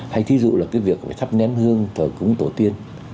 hay thí dụ là cái việc phải thắp ném hương thờ cúng tổ tiên